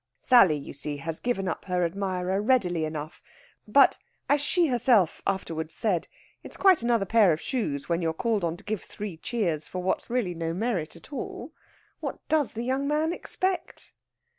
Sally, you see, has given up her admirer readily enough, but, as she herself afterwards said, it's quite another pair of shoes when you're called on to give three cheers for what's really no merit at all! What does the young man expect?